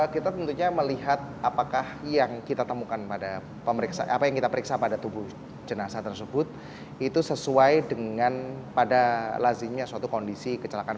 kita tentunya melihat apakah yang kita temukan pada pemeriksaan apa yang kita periksa pada tubuh jenazah tersebut itu sesuai dengan pada lazimnya suatu kondisi kecelakaan